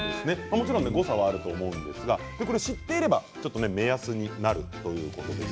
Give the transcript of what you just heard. もちろん誤差があると思うんですが知っていれば、ちょっと目安になるということです。